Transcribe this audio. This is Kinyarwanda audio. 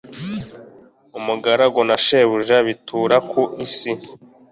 umugaragu na shebuja bitura ku isi